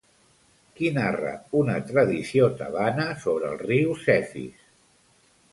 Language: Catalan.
Qui narra una tradició tebana sobre el riu Cefís?